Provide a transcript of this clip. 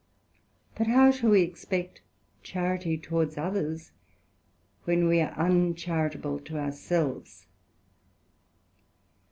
But how shall we expect Charity towards others, when we are uncharitable to our selves?